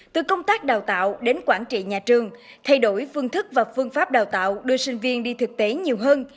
từ công tác đào tạo đến quản trị nhà trường thay đổi phương thức và phương pháp đào tạo đưa sinh viên đi thực tế nhiều hơn